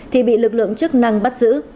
thì bị lực lượng chức năng bắt giữ